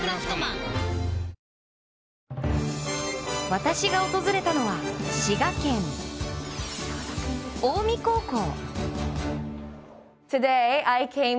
私が訪れたのは、滋賀県、近江高校。